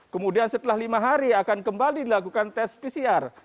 kemudian setelah lima hari akan kembali dilakukan tes pcr